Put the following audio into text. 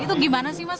itu bagaimana sih mas